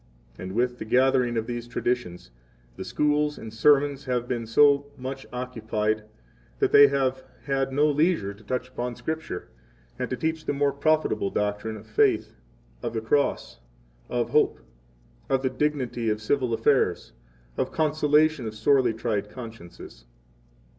15 And with the gathering of these traditions, the schools and sermons have been so much occupied that they have had no leisure to touch upon Scripture, and to seek the more profitable doctrine of faith, of the cross, of hope, of the dignity of civil affairs of consolation of sorely tried consciences.